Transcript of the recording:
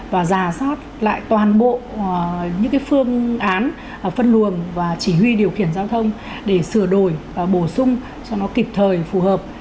và giả soát lại toàn bộ những phương án phân luồng và chỉ huy điều khiển giao thông để sửa đổi bổ sung cho nó kịp thời phù hợp